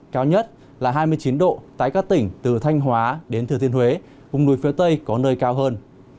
cao nhất là hai mươi chín độ tại các tỉnh từ thanh hóa đến thừa thiên huế vùng núi phía tây có nơi cao hơn